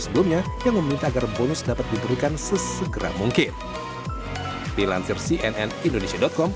sebelumnya yang meminta agar bonus dapat diberikan sesegera mungkin dilansir cnn indonesia com